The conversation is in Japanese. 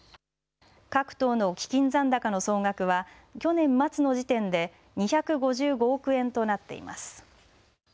各党の基金残高の総額は去年末の時点で２５５億円となっています。